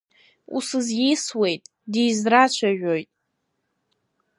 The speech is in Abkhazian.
Усызисуеит, дизрацәажәоит.